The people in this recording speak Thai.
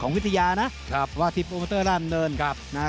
ของวิทยานะว่าทิพย์โอมเตอร์ด้านเดิน